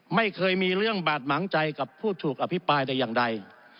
ไม่เคยมีเรื่องบาดหมางใจกับผู้ถูกอภิปรายแต่อย่างใด